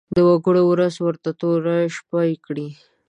د وګړو ورځ ورته توره شپه کړي.